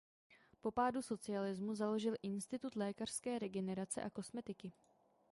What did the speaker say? Po pádu socialismu založil Institut lékařské regenerace a kosmetiky.